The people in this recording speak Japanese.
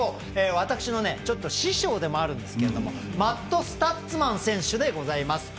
私の師匠でもあるんですがマット・スタッツマン選手でございます。